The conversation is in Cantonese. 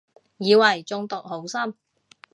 以為中毒好深